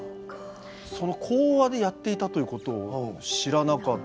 その口話でやっていたということを知らなかったです。